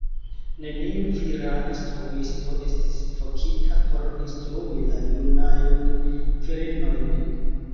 Neniu vira instruisto estis vokita por instrui la junajn virinojn.